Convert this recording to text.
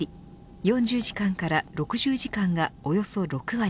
４０時間から６０時間がおよそ６割。